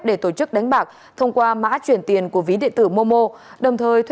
để tổ chức đánh bạc thông qua mã chuyển tiền của ví điện tử momo